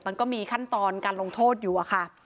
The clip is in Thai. มันก็มีขั้นตอนการลงโทษอยู่อะค่ะ